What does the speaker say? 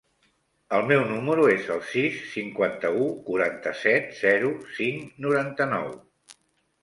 El meu número es el sis, cinquanta-u, quaranta-set, zero, cinc, noranta-nou.